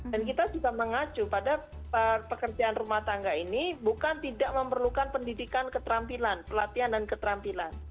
dan kita juga mengacu pada pekerjaan rumah tangga ini bukan tidak memerlukan pendidikan keterampilan pelatihan dan keterampilan